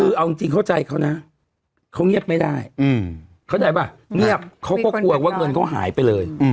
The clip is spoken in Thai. คือเอาจริงเข้าใจเขานะเขาเงียบไม่ได้เข้าใจป่ะเงียบเขาก็กลัวว่าเงินเขาหายไปเลย